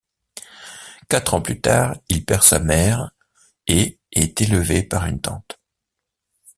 Quatre ans plus tard, il perd sa mère et est élevé par une tante.